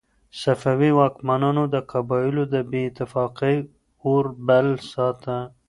صفوي واکمنانو د قبایلو د بې اتفاقۍ اور بل ساته.